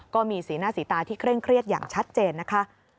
ก็มีสีหน้าสีตาที่เคร่งเครียดอย่างชัดเจนนะคะ